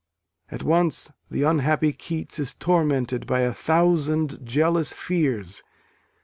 At once the unhappy Keats is tormented by a thousand jealous fears.